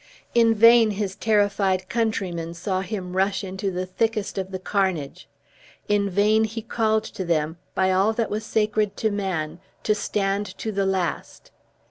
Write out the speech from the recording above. In vain his terrified countrymen saw him rush into the thickest of the carnage; in vain he called to them, by all that was sacred to man, to stand to the last.